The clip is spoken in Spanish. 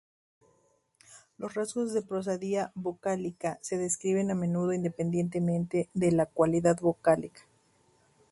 Los rasgos de prosodia vocálica se describen a menudo independientemente de la cualidad vocálica.